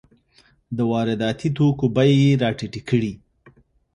د وارداتي توکو بیې یې راټیټې کړې.